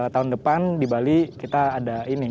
tahun depan di bali kita ada ini